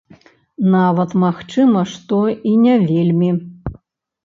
Нават, магчыма, што і не вельмі.